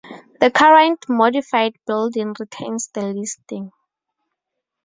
The current modified building retains the listing.